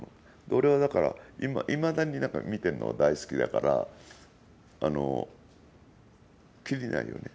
俺はだから、いまだに見てるのが大好きだからきりないよね。